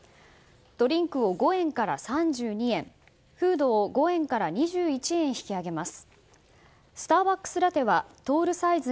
ドリンクを５円から３２円フードを５円から２１円引き上げます。